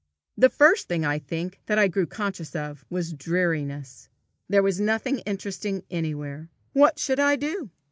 The first thing, I think, that I grew conscious of, was dreariness. There was nothing interesting anywhere. What should I do?